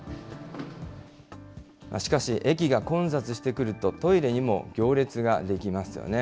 しかし、駅が混雑してくると、トイレにも行列が出来ますよね。